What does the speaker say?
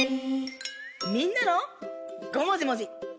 みんなの「ごもじもじ」。